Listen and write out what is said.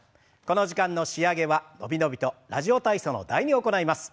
この時間の仕上げは伸び伸びと「ラジオ体操」の「第２」を行います。